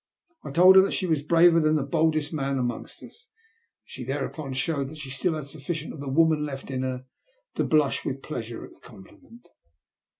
I told her that she was braver than the boldest man amongst us, and she thereupon showed that she still had sufficient of the woman left in her to blush with pleasure at the compliment.